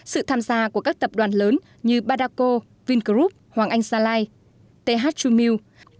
sự tham gia của các tập đoàn lớn như badako vingroup hoàng anh gia lai thjmu